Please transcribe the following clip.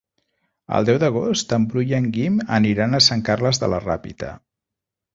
El deu d'agost en Bru i en Guim aniran a Sant Carles de la Ràpita.